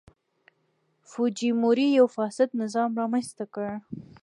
فوجیموري یو فاسد نظام رامنځته کړ.